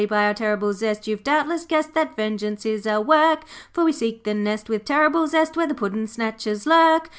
'By our terrible zest you've doubtless guessed That vengeance is our work; For we seek the nest with terrible zest Where the puddin' snatchers lurk.